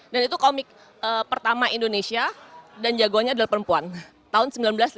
itu komik pertama indonesia dan jagoannya adalah perempuan tahun seribu sembilan ratus delapan puluh